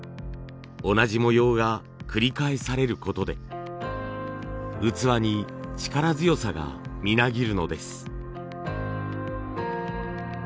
同じ模様が繰り返されることで器に力強さがみなぎるのです。